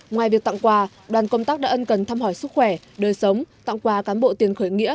ngoài việc tặng quà đoàn công tác đã ân cần thăm hỏi sức khỏe đời sống tặng quà cán bộ tiền khởi nghĩa